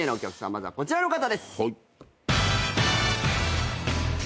まずはこちらの方です。